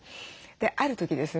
ある時ですね